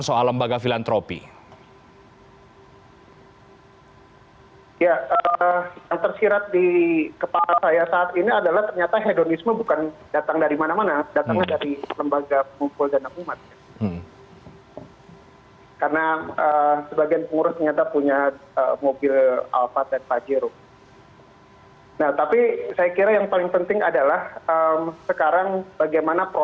selamat malam kabar baik